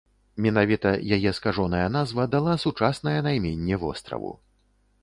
Менавіта яе скажоная назва дала сучаснае найменне востраву.